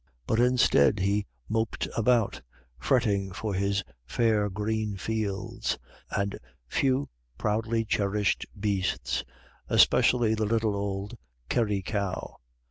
But instead he moped about, fretting for his fair green fields, and few proudly cherished beasts, especially the little old Kerry cow.